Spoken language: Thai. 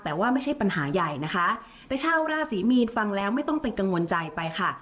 แต่ว่าไม่ใช่ปัญหาใหญ่นะคะแต่ชาวราศรีมีนฟังแล้วไม่ต้องเป็นกังวลใจไปค่ะ